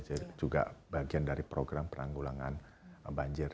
jadi juga bagian dari program penanggulangan banjir